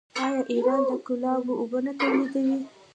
آیا ایران د ګلابو اوبه نه تولیدوي؟